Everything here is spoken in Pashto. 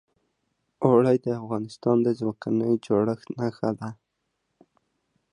اوړي د افغانستان د ځمکې د جوړښت نښه ده.